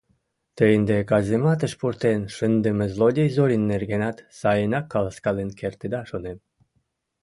— Те ынде казематыш пуртен шындыме злодей Зорин нергенат сайынак каласкален кертыда, шонем.